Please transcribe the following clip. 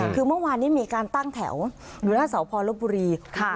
คือเมื่อวานนี้มีการตั้งแถวอยู่หน้าสพลบบุรี